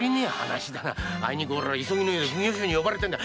あいにく急ぎの用で奉行所に呼ばれてんだ。